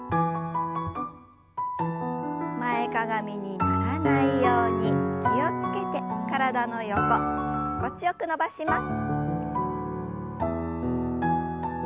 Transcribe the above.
前かがみにならないように気を付けて体の横心地よく伸ばします。